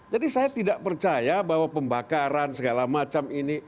jadi saya tidak percaya bahwa pembakaran segala macam ini